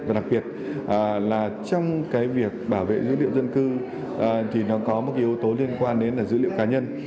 và đặc biệt là trong cái việc bảo vệ dữ liệu dân cư thì nó có một cái yếu tố liên quan đến dữ liệu cá nhân